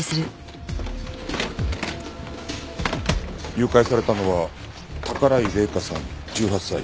誘拐されたのは宝居麗華さん１８歳。